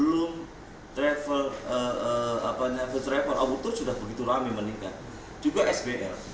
yang sudah ramai meningkat